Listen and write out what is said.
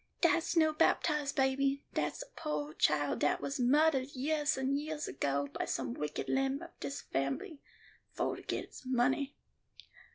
Dat's no baptized baby; dat's a poo' child dat was muhdard yeahs and yeahs ago by some wicked limb of dis fambly, fo' to get its money.